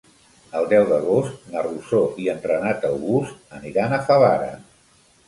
El deu d'agost na Rosó i en Renat August aniran a Favara.